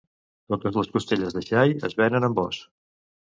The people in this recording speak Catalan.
Totes les costelles de xai es venen amb os.